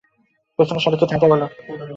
পেছনের সারিকে থামতে বল!